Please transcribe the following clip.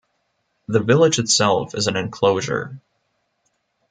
The village itself is an enclosure.